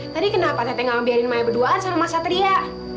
tadi kenapa teteh gak mau biarin maya berduaan sama mas satria